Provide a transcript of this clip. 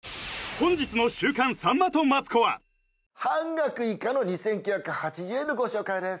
本日の「週刊さんまとマツコ」は半額以下の２９８０円のご紹介です